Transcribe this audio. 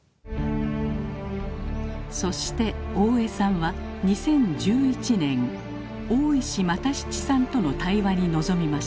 そして大江さんは２０１１年大石又七さんとの対話に臨みました。